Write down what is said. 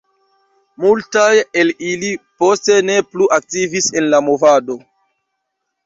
Multaj el ili poste ne plu aktivis en la movado.